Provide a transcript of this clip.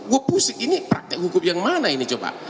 gue pusing ini praktek hukum yang mana ini coba